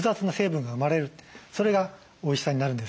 それがおいしさになるんです。